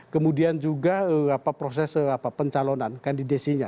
kemudian juga proses pencalonan kandidasinya